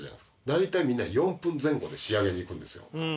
大体みんな４分前後で仕上げにいくんですよ。